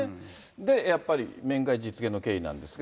で、やっぱり面会実現の経緯なんですが。